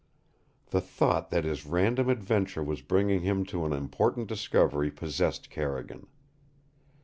The thought that his random adventure was bringing him to an important discovery possessed Carrigan.